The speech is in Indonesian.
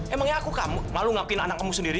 emangnya aku kamu malu ngapin anak kamu sendiri